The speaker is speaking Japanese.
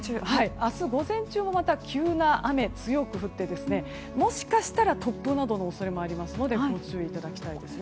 明日午前中もまた急な雨が強く降ってですねもしかしたら突風などの恐れもありますのでご注意いただきたいです。